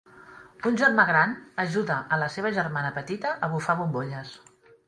Un germà gran ajuda a la seva germana petita a bufar bombolles.